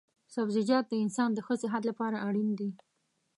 سبزيجات د انسان د ښه صحت لپاره اړين دي